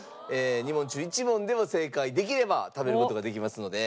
２問中１問でも正解できれば食べる事ができますので。